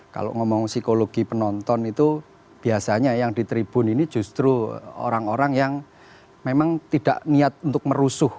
kalau ngomong psikologi penonton itu biasanya yang di tribun ini justru orang orang yang memang tidak niat untuk merusuh